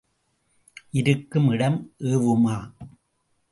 இருக்கும் இடம் ஏவுமா?